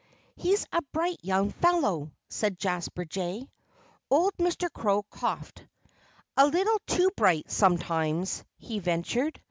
"He's a bright young fellow," said Jasper Jay. Old Mr. Crow coughed. "A little too bright, sometimes," he ventured.